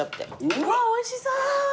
うわおいしそう！